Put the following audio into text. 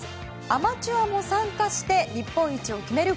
アマチュアも参加して日本一を決める